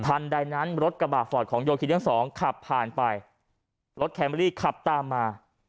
อันใดนั้นรถกระบะฝอดของโยฮีที่๒ขับผ่านไปรถแคมมอรี่ขับตามมา